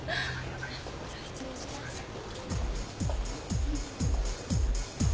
すいません。